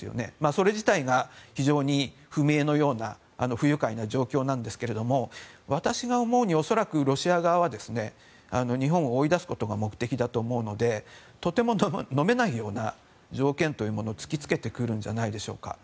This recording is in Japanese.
それ自体が非常に不明のような不愉快な状態なんですが私が思うに恐らくロシア側は日本を追い出すことが目的だと思うのでとてものめないような条件というものを突きつけてくるんじゃないでしょうか。